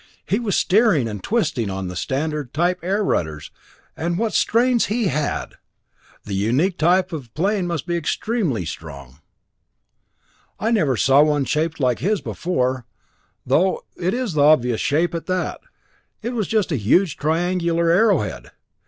He was steering and twisting on the standard type air rudders, and what strains he had! The unique type of plane must be extremely strong. I never saw one shaped like his before, though it is the obvious shape at that! It was just a huge triangular arrowhead!